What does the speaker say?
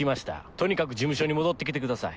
とにかく事務所に戻ってきてください。